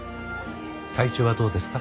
体調はどうですか？